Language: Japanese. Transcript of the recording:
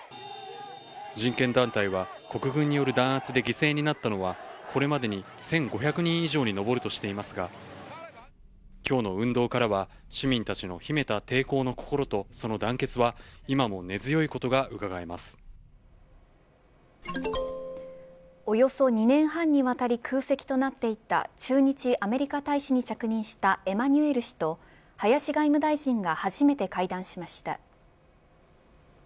人権団体は国軍による弾圧で犠牲になったのはこれまでに１５００人以上に上るとしていますが今日の運動からは市民たちの秘めた抵抗の心とその団結は、今もおよそ２年半にわたり空席となっていた駐日アメリカ大使に着任したエマニュエル氏と林外務大臣が初めて会談しました。